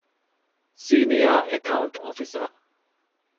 ސީނިއަރ އެކައުންޓް އޮފިސަރ